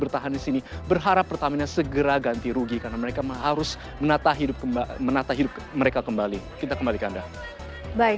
terima kasih pak deddy